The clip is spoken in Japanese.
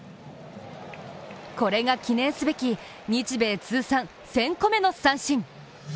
これが、記念すべき日米通算１０００個目の三振。